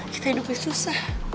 kita hidupnya susah